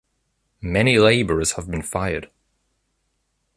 Many laborers have been fired.